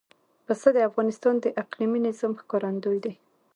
پسه د افغانستان د اقلیمي نظام ښکارندوی ده.